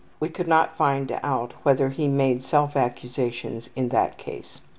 We could not find out whether he made self accusations in that case.